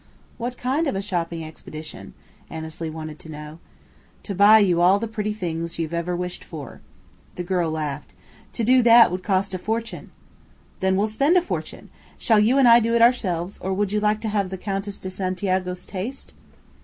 "What kind of a shopping expedition?" Annesley wanted to know. "To buy you all the pretty things you've ever wished for." The girl laughed. "To do that would cost a fortune!" "Then we'll spend a fortune. Shall you and I do it ourselves, or would you like to have the Countess de Santiago's taste?"